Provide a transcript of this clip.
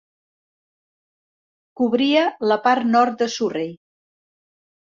Cobria la part nord de Surrey.